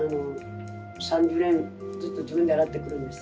３０年ずっと自分で洗ってくるんです。